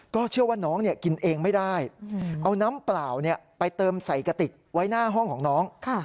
เชื่อว่าน้องกินเองไม่ได้เอาน้ำเปล่าไปเติมใส่กระติกไว้หน้าห้องของน้อง